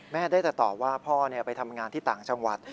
ได้แต่ตอบว่าพ่อไปทำงานที่ต่างจังหวัด